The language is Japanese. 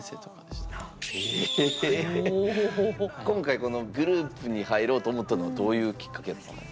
今回このグループに入ろうと思ったのはどういうきっかけだったの？